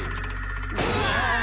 うわ！